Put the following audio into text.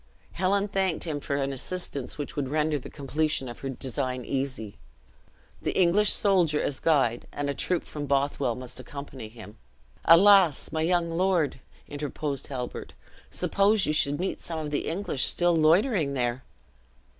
Helen thanked him for an assistance which would render the completion of her design easy. The English soldier as guide, and a troop from Bothwell, must accompany him. "Alas! my young lord," interposed Halbert, "suppose you should meet some of the English still loitering there?"